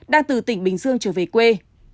đang từ tỉnh bình dương trở về quê